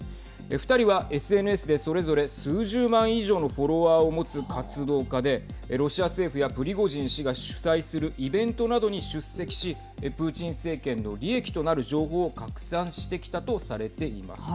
２人はＳＮＳでそれぞれ数十万以上のフォロワーを持つ活動家でロシア政府やプリゴジン氏が主催するイベントなどに出席しプーチン政権の利益となる情報を拡散してきたとされています。